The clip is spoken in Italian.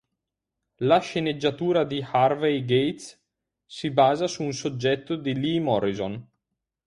La sceneggiatura di Harvey Gates si basa su un soggetto di Lee Morrison.